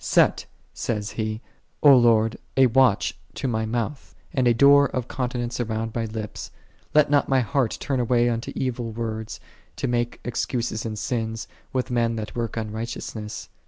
" Set," saith he, " O Lord, a watch to my mouth, and a door of continence around my lips: let not my heart turn away unto evil words, to make excuses in sins, with j men that work unrighteousness."